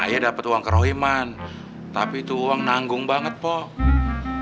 ayah dapat uang kerohiman tapi itu uang nanggung banget pak